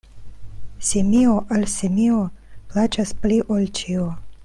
Simio al simio plaĉas pli ol ĉio.